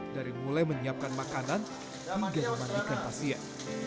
dari mulai menyiapkan makanan hingga memandikan pasien